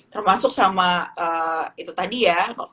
termasuk sama itu tadi ya